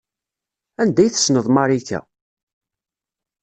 Anda ay tessneḍ Marika?